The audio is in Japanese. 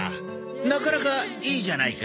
なかなかいいじゃないか。